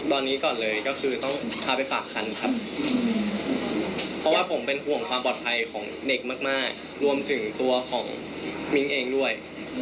ตอนนี้ก่อนเลยก็คือต้องพาไปฝากคันครับเพราะว่าผมเป็นห่วงความปลอดภัยของเด็กมากรวมถึงตัวของมิ้งเองด้วย